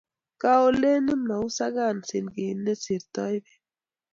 koaleni muisakan sinkit ne tortoi beek